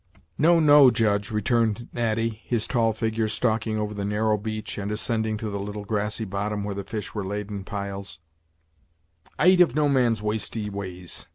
"No, no, Judge," returned Natty, his tall figure stalking over the narrow beach, and ascending to the little grassy bottom where the fish were laid in piles; "I eat of no man's wasty ways.